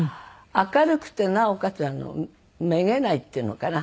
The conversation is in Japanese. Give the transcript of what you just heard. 明るくてなおかつめげないっていうのかな。